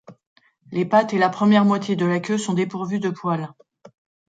Les pattes et la première moitié de la queue sont dépourvues de poils.